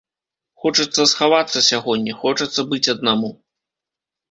Хочацца схавацца сягоння, хочацца быць аднаму.